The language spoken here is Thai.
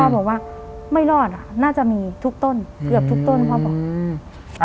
บอกว่าไม่รอดอ่ะน่าจะมีทุกต้นเกือบทุกต้นพ่อบอกอืม